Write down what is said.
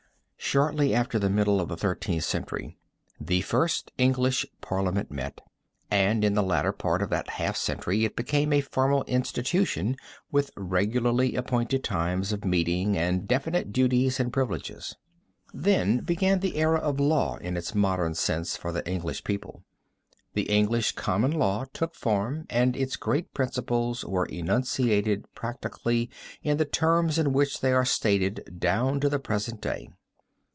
Shortly after the middle of the Thirteenth Century the first English parliament met, and in the latter part of that half century it became a formal institution with regularly appointed times of meeting and definite duties and privileges. Then began the era of law in its modern sense for the English people. The English common law took form and its great principles were enunciated practically in the terms in which they are stated down to the present day.